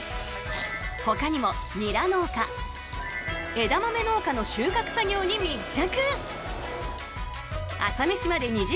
ほかにもニラ農家、枝豆農家の収穫作業に密着。